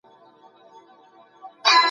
د لويي جرګې غړي کله خپلو ولایتونو ته ستنیږي؟